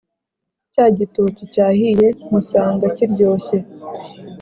Cya gitoki cyahiye musanga kiryoshye